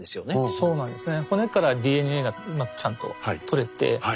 そうなんですね。